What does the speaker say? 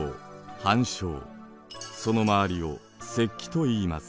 その周りを「石基」といいます。